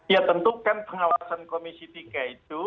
ya tentu kan pengawasan komisi tiga itu